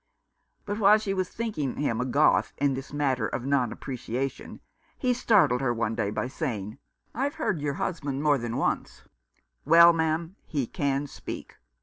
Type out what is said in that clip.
But while she was thinking him a Goth in this matter of non appreciation, he startled her one day by saying, " I've heard your husband more than once. Well, ma'am, he can speak.